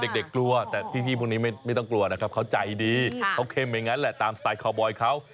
กลัวแต่พี่พวกนี้ไม่ต้องกลัวนะครับเขาใจดีเขาเข้มอย่างนั้นแหละตามสไตล์คาวบอยเขา